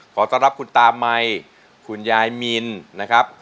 ขอต้อนรับคุณตามัยคุณยายมินนะครับ